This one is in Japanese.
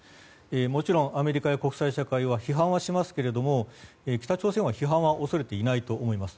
もちろん、アメリカや国際社会は批判はしますけれど北朝鮮は批判は恐れていないと思います。